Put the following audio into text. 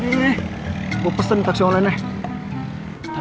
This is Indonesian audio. nih nih gua pesen taksi online nya